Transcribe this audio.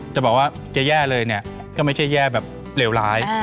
จะบอกว่าแย่เลยก็ไม่ใช่แย่แบบเหลี่ยวร้าย